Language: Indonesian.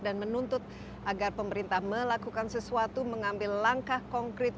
dan menuntut agar pemerintah melakukan sesuatu mengambil langkah konkret